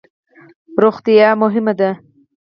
روغتیا مهمه ده